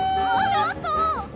ちょっと！